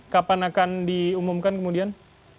kapan akan diumumkan kemudian